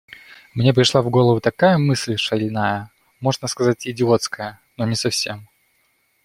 Мне пришла в голову такая мысль шальная, можно сказать, идиотская, но не совсем.